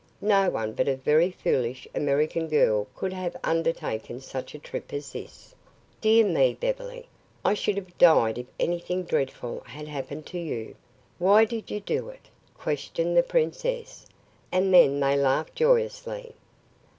No one but a very foolish American girl could have undertaken such a trip as this. Dear me, Beverly, I should have died if anything dreadful had happened to you. Why did you do it?" questioned the princess. And then they laughed joyously.